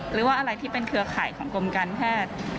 หรือว่าอะไรที่เป็นเครือข่ายของกรมการแพทย์